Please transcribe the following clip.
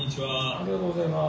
ありがとうございます。